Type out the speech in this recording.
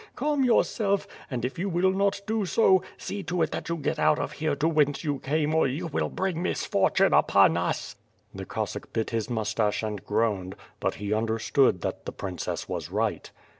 Calm yourself and, if you will not do so, see to it that you get out of here to whence you came or you will bring misfortune upon us!" The Cossack bit his moustache and groaned; but he under stood that the princess was right.